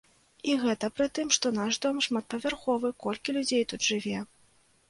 І гэта пры тым, што наш дом шматпавярховы, колькі людзей тут жыве!